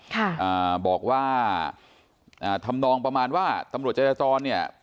ค่ะอ่าบอกว่าอ่าทำนองประมาณว่าตำรวจจราจรเนี่ย